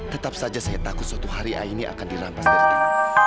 tetap saja saya takut suatu hari aini akan dirampas dari